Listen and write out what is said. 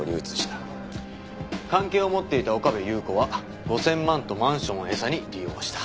関係を持っていた岡部祐子は５０００万とマンションを餌に利用した。